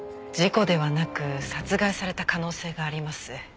事故ではなく殺害された可能性があります。